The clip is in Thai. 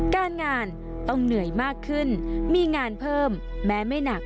การงานต้องเหนื่อยมากขึ้นมีงานเพิ่มแม้ไม่หนัก